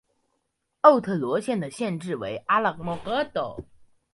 奥特罗县的县治为阿拉莫戈多。